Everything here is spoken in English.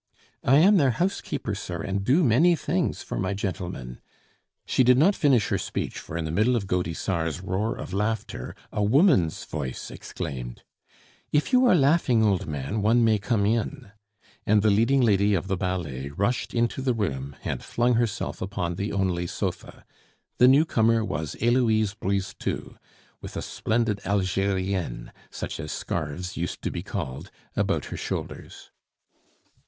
"I am their housekeeper, sir, and do many things for my gentlemen " She did not finish her speech, for in the middle of Gaudissart's roar of laughter a woman's voice exclaimed, "If you are laughing, old man, one may come in," and the leading lady of the ballet rushed into the room and flung herself upon the only sofa. The newcomer was Heloise Brisetout, with a splendid algerienne, such as scarves used to be called, about her shoulders.